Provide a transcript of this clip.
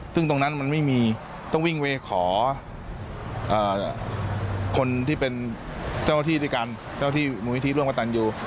ซึ่งตรงนั้นมันไม่มีต้องวิ่งเวขอคนที่เป็นเจ้าที่ด้วยกัน